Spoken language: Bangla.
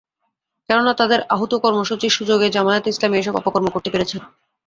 কেননা, তাদের আহূত কর্মসূচির সুযোগেই জামায়াতে ইসলামী এসব অপকর্ম করতে পেরেছে।